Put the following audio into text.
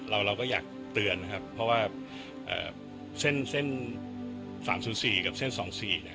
เราก็อยากเตือนนะครับเพราะว่าเส้นเส้นสามศูนย์สี่กับเส้นสองสี่เนี่ย